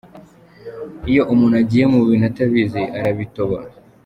Iyo umuntu agiye mu bintu atabizi arabitoba.